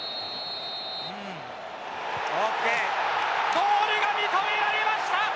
ゴールが認められました。